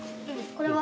これは？